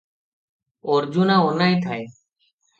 ଅର୍ଜୁନା ଅନାଇ ଥାଏ ।